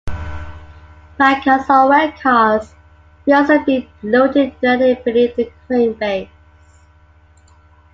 Flatcars or well cars may also be loaded directly beneath the crane base.